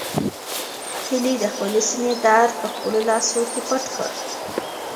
هیلې د خپلې سېنې درد په خپلو لاسو کې پټ کړ.